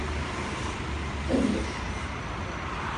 Anef.